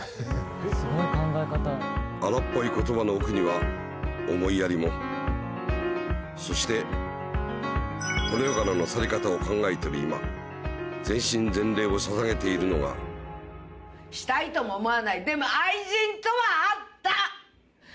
荒っぽい言葉の奥には思いやりもそしてこの世からの去り方を考えてる今全身全霊をささげているのがしたいとも思わない。